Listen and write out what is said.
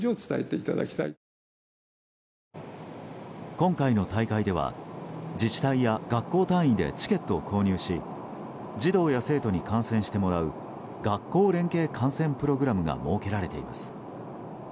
今回の大会では、自治体や学校単位でチケットを購入し児童や生徒に観戦してもらう学校連携観戦プログラムが設けられています。